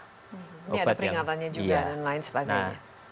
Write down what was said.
ini ada peringatannya juga dan lain sebagainya